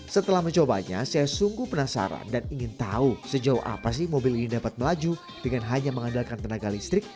setelah mencobanya saya sungguh penasaran dan ingin tahu sejauh apa sih mobil ini dapat melaju dengan hanya mengandalkan tenaga listrik